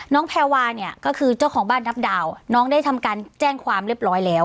แพรวาเนี่ยก็คือเจ้าของบ้านนับดาวน้องได้ทำการแจ้งความเรียบร้อยแล้ว